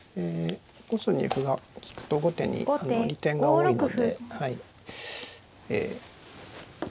５筋に歩が利くと後手に利点が多いので。